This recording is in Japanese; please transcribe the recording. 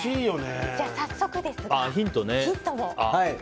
早速ですがヒントを。